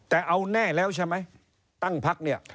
แต่เอาแน่แล้วใช่ไหมตั้งพักเนี่ย